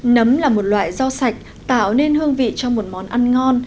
nấm là một loại rau sạch tạo nên hương vị cho một món ăn ngon